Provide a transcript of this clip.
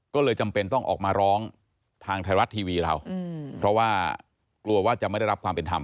ก็เลยจำเป็นต้องออกมาร้องทางไทยรัฐทีวีเราเพราะว่ากลัวว่าจะไม่ได้รับความเป็นธรรม